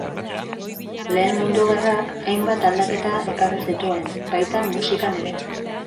Lehen Mundu Gerrak hainbat aldaketa ekarri zituen, baita musikan ere.